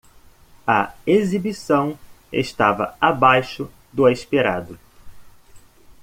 A exibição estava abaixo do esperado.